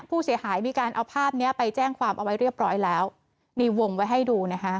ผู้เสียหายมีการเอาภาพเนี้ยไปแจ้งความเอาไว้เรียบร้อยแล้วนี่วงไว้ให้ดูนะคะ